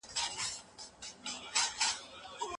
د ارغنداب سیند شاوخوا د خلکو کورونه اباد دي.